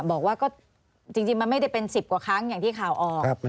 บอกว่าก็จริงมันไม่ได้เป็น๑๐กว่าครั้งอย่างที่ข่าวออก